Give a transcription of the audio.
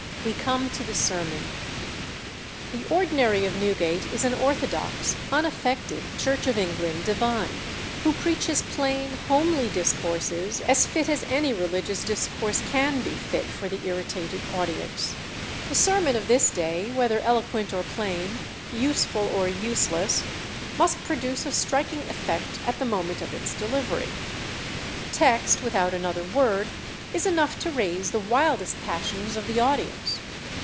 We come to the sermon. "The ordinary of Newgate is an orthodox, unaffected, Church of England divine, who preaches plain, homely discourses, as fit as any religious discourse can be fit for the irritated audience. The sermon of this day, whether eloquent or plain, useful or useless, must produce a striking effect at the moment of its delivery. The text, without another word, is enough to raise the wildest passions of the audience....